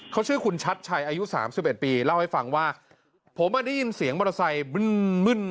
เขาชื่อคุณชัดชัยอายุสามสิบเอ็ดปีเล่าให้ฟังว่าผมอ่ะได้ยินเสียงมอเตอร์ไซค์มึ้นมึ้น